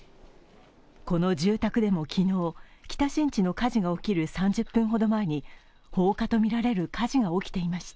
この住宅でも昨日、北新地の火事が起きる３０分ほど前に、放火とみられる火事が起きていました。